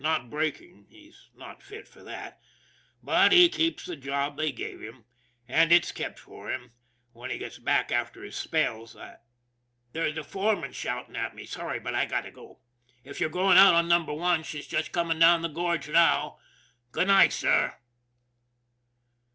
Not braking he's not fit for that, but he keeps the job they gave him and it's kept for him when he gets back after his spells. I there's the foreman shouting for me. Sorry, but I'll have to go. If you're going out on Number One she's just com ing down the gorge now. Good night, sir."